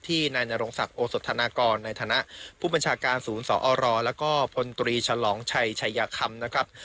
นายนรงศักดิ์โอสธนากรในฐานะผู้บัญชาการศูนย์สอรแล้วก็พลตรีฉลองชัยชัยคำนะครับ